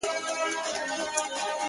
چي مو ګران افغانستان هنرستان سي،